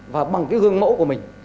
và bằng cái gương mẫu của mình